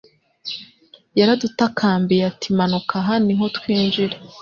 yaradutakambiye ati manuka Aha niho twinjira